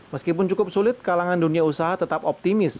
meskipun cukup sulit kalangan dunia usaha tetap optimis